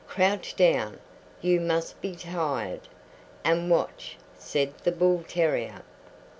Crouch down, you must be tired, and watch," said the bull terrier.